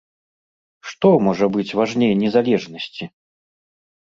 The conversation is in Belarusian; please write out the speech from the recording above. Што можа быць важней незалежнасці?